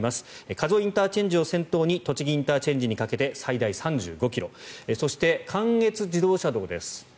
加須ＩＣを先頭に栃木ＩＣにかけて最大３５ｋｍそして、関越自動車道です。